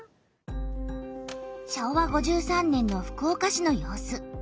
昭和５３年の福岡市の様子。